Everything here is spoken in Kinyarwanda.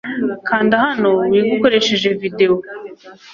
kanda hano wige ukoresheje video